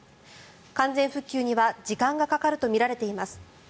完全復旧には時間がかかるとみられています。